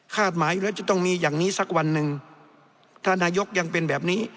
หมายอยู่แล้วจะต้องมีอย่างนี้สักวันหนึ่งถ้านายกยังเป็นแบบนี้